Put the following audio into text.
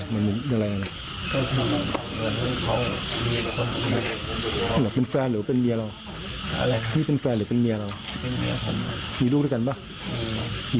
ก็รวม๓คนแล้วฮะแล้วรู้ได้ยังไงว่ามีชื่อชาย